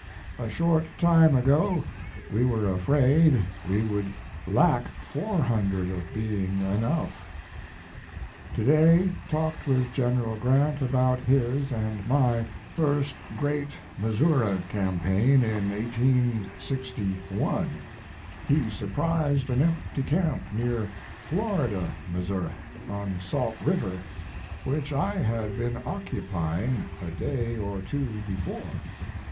A short time ago we were afraid we would lack 400 of being enough. To day talked with General Grant about his and my first great Missouri campaign in 1861. He surprised an empty camp near Florida, Missouri, on Salt River, which I had been occupying a day or two before.